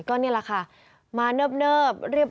ก็นี่แหละค่ะมาเนิบ